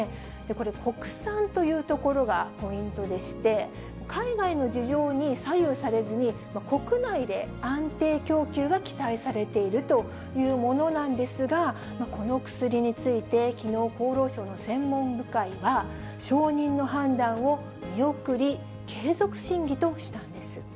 これ、国産というところがポイントでして、海外の事情に左右されずに国内で安定供給が期待されているというものなんですが、この薬について、きのう、厚労省の専門部会は、承認の判断を見送り、継続審議としたんです。